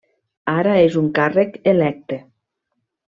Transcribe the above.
Ara és un càrrec electe.